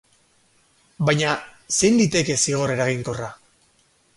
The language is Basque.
Baina zein liteke zigor eraginkorra?